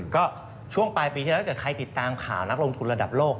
ก็ช่วงปลายปีที่แล้วเกิดใครติดตามข่าวนักลงทุนระดับโลก